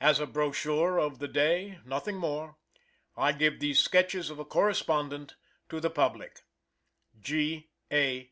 As a brochure of the day, nothing more, I give these Sketches of a Correspondent to the public. G. A.